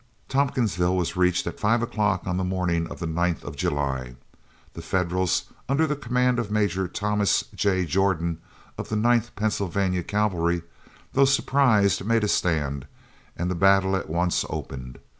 Tompkinsville was reached at five o'clock on the morning of the 9th of July. The Federals, under the command of Major Thomas J. Jordan, of the Ninth Pennsylvania Cavalry, though surprised, made a stand, and the battle at once opened.